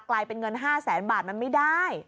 กลายเป็นเงิน๕แสนบาทมันไม่ได้